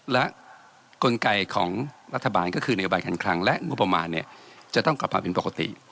และกลไกของรัฐบาลก็คือนโยบายการคลังและงบประมาณเนี่ยจะต้องกลับมาเป็นปกติ